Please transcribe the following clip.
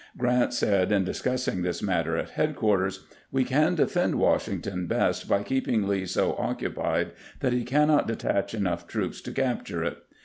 Grant said, in discussing this matter at headquarters: "We can defend Washington best by keeping Lee so occupied that he cannot detach enough troops to capture it.